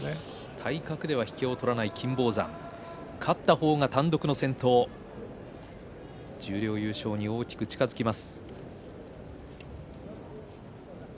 体格では引けを取らない金峰山、勝った方が単独の先頭十両優勝に大きく近づきます。